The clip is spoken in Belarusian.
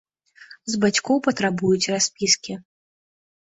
З бацькоў патрабуюць распіскі.